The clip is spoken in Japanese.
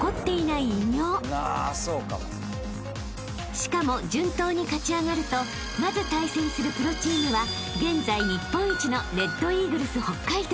［しかも順当に勝ち上がるとまず対戦するプロチームは現在日本一のレッドイーグルス北海道］